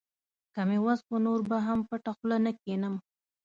که مې وس و، نور به هم پټه خوله نه کښېنم.